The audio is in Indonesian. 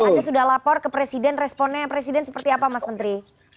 anda sudah lapor ke presiden responnya presiden seperti apa mas menteri